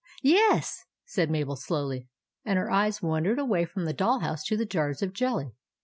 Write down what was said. " Ye e s," said Mabel slowly, and her eyes wandered away from the doll house to the jars of jelly.